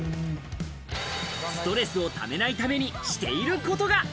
ストレスを溜めないためにしていることが。